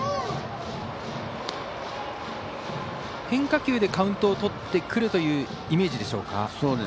変化球でカウントをとってくるというイメージでしょうか？